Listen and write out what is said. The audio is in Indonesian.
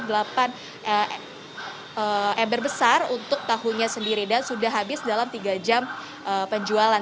delapan ember besar untuk tahunya sendiri dan sudah habis dalam tiga jam penjualan